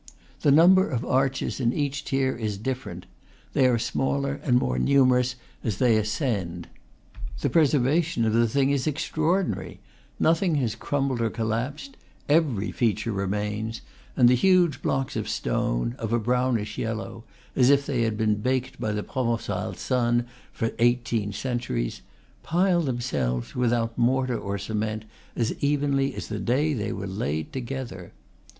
The number of arches in each tier is dif ferent; they are smaller and more numerous as they ascend. The preservation of the thing is extra ordinary; nothing has crumbled or collapsed; every feature remains; and the huge blocks of stone, of a brownish yellow, (as if they had been baked by the Provencal sun for eighteen centuries), pile themselves, without mortar or cement, as evenly as the day they were laid together.